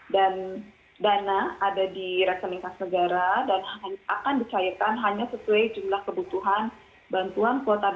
dan dana ada di rekening khas negara dan akan dicairkan hanya sesuai jumlah kebutuhan bantuan kuota internet